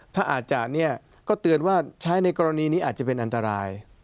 ถ้าอาจจะเนี่ยก็เตือนว่าใช้ในกรณีนี้อาจจะเป็นอันตราย